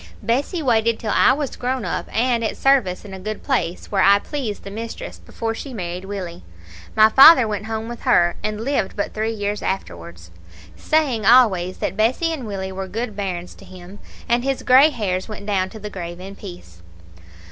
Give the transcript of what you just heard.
Bessie waited till I was grown up and at service in a good place, where I pleased the mistress, before she married Willie. My father went home with her, and lived but three years afterwards, saying always that Bessie and Willie were good bairns to him, and his grey hairs went down to the grave in peace.